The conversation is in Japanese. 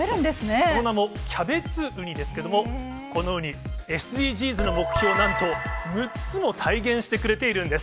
その名もキャベツウニですけれども、このウニ、ＳＤＧｓの目標をなんと６つも体現してくれているんです。